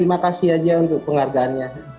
terima kasih aja untuk penghargaannya